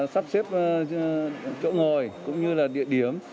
sắp xếp chỗ ngồi cũng như là địa điểm